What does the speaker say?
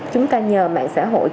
chúng ta nhờ mạng xã hội